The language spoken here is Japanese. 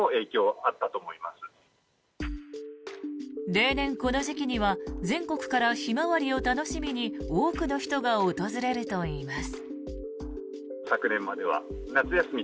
例年、この時期には全国からヒマワリを楽しみに多くの人が訪れるといいます。